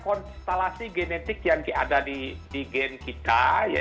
konstelasi genetik yang ada di gen kita